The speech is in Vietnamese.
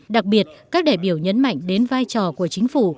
đặc biệt các đại biểu nhấn mạnh đến vai trò của chính phủ